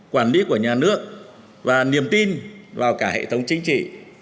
quản lý của nhà nước và niềm tin vào cả hệ thống chính trị